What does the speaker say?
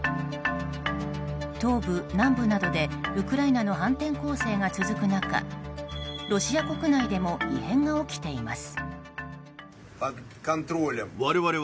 東部、南部などでウクライナの反転攻勢が続く中ロシア国内でも異変が起きています。